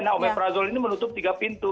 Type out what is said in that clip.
nah omeprazol ini menutup tiga pintu